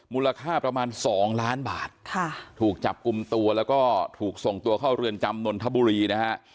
มูลค่าประมาณ๒ล้านบาทถูกจับกลุ่มตัวแล้วก็ถูกส่งตัวเข้าเรือนจำนนทบุรีนะฮะ